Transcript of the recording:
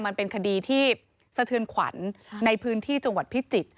มันเป็นคดีที่สะเทือนขวัญในพื้นที่จังหวัดพิจิตร